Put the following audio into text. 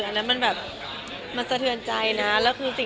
ะนนั้นมันแบบมันสะเทือนใจจะนะคะ